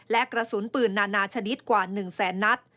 และกระสุนปืนนานาชนิดกว่า๑แสนนัด